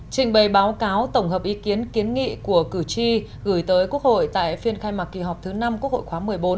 trình bày báo cáo tổng hợp ý kiến kiến nghị của cử tri gửi tới quốc hội tại phiên khai mạc kỳ họp thứ năm quốc hội khóa một mươi bốn